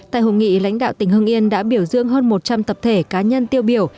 tại hội nghị lãnh đạo tỉnh hưng yên đã biểu dương hơn một trăm linh tập thể cá nhân tiêu biểu